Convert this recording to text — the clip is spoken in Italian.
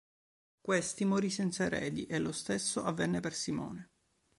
Questi morì senza eredi e lo stesso avvenne per Simone.